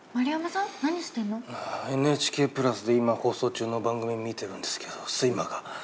ＮＨＫプラスで今放送中の番組を見てるんですけど睡魔が。